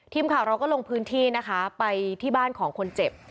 ทีมข่าวเราก็ลงพื้นที่นะคะไปที่บ้านของคนเจ็บ